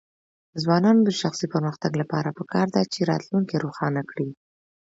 د ځوانانو د شخصي پرمختګ لپاره پکار ده چې راتلونکی روښانه کړي.